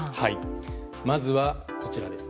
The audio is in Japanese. まずは、こちらです。